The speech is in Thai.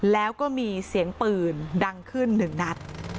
แล้วก็มีเสียงปืนดังขึ้นหนึ่งนัด